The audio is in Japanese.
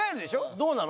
どうなの？